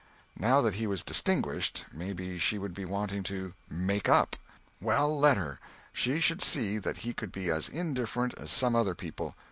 Now that he was distinguished, maybe she would be wanting to "make up." Well, let her—she should see that he could be as indifferent as some other people.